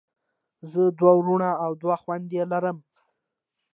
زه دوه وروڼه او دوه خویندی لرم.